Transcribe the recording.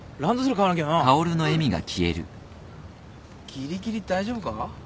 ぎりぎり大丈夫か？